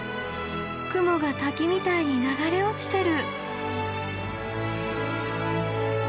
雲が滝みたいに流れ落ちてる。